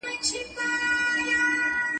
غر او سمه د سركښو اولسونو.